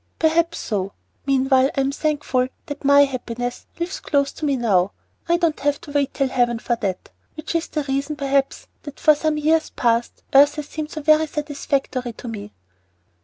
"Perhaps so. Meanwhile I am thankful that my happiness lives close to me now. I don't have to wait till Heaven for that, which is the reason perhaps that for some years past Earth has seemed so very satisfactory to me."